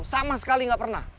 sama sekali gak pernah